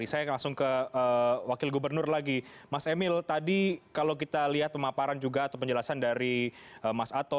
saya langsung ke wakil gubernur lagi mas emil tadi kalau kita lihat pemaparan juga atau penjelasan dari mas ato